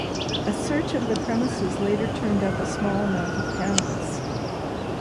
A search of the premises later turned up a small amount of cannabis.